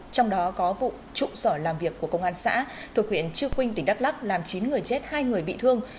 trong đó có vụ trụ sở làm việc của công an xã thuộc huyện chư quynh tỉnh đắk lắc làm chín người chết hai người bị thương